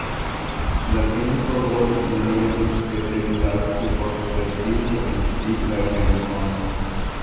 La princo volis nenion preterlasi por certigi al si la venkon.